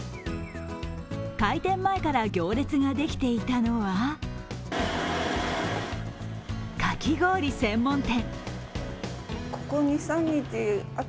開店前から行列ができていたのはかき氷専門店。